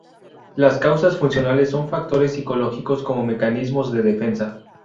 Las causas funcionales son factores psicológicos como mecanismos de defensa.